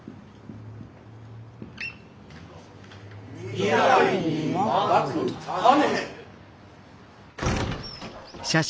未来にまく種？